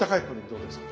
どうですか？